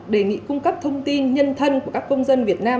đề nghị cung cấp thông tin nhân thân của các công dân việt nam